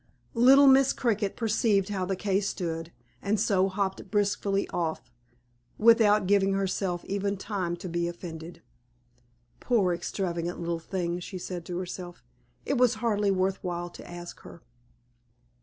Little Miss Cricket perceived how the case stood, and so hopped briskly off, without giving herself even time to be offended. "Poor extravagant little thing!" said she to herself, "it was hardly worth while to ask her."